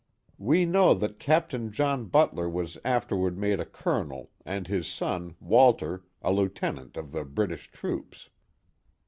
We know that Captain John But ler was afterward made a colonel, and his son, Walter, 3 lieu tenant of the British troops.